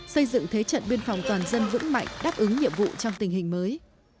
xây dựng thế trận biên phòng toàn dân vững mạnh đáp ứng nhiệm vụ trong tình hình mới